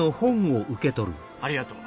ありがとう。